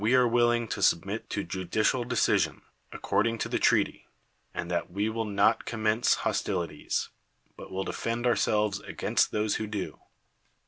are willing to submit to judicial decision, accord ing to the treaty : and that we will not commence hostilities, but will defend ourselves against those who do.